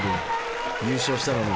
優勝したのに。